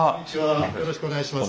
よろしくお願いします。